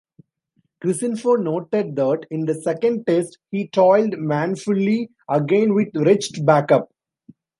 Cricinfo noted that in the second Test he "toiled manfully again with wretched back-up".